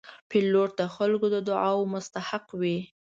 پیلوټ د خلکو د دعاو مستحق وي.